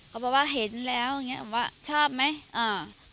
เขาบอกว่าเห็นแล้วอย่างนี้บอกว่าชอบไหม